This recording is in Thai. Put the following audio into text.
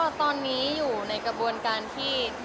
ตอนนี้อยู่ในกระบวนการที่